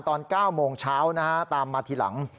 ตอน๙โมงเช้านะฮะตามมาทีหลัง